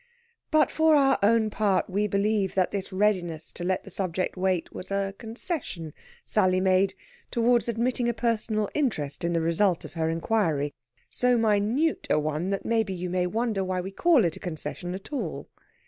But, for our own part, we believe that this readiness to let the subject wait was a concession Sally made towards admitting a personal interest in the result of her inquiry so minute a one that maybe you may wonder why we call it a concession at all.